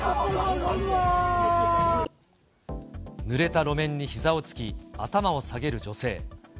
ぬれた路面にひざをつき、頭を下げる女性。